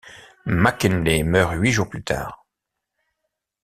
McKinley meurt huit jours plus tard.